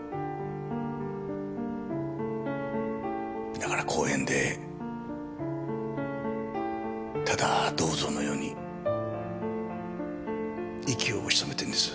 だから公園でただ銅像のように息を潜めてんです。